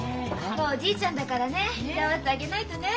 おじいちゃんだからねいたわってあげないとね。